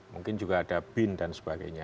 mungkin juga ada bin dan sebagainya